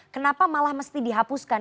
kenapa malah mesti dihapuskan